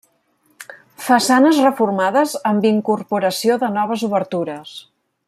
Façanes reformades amb incorporació de noves obertures.